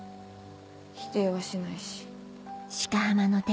否定はしないし。